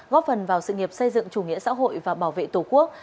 góp phần vào sự nghiệp xây dựng chủ nghĩa xã hội và bảo vệ tổ quốc